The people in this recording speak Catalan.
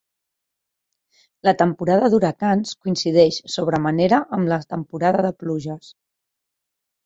La temporada d'huracans coincideix sobre manera amb la temporada de pluges.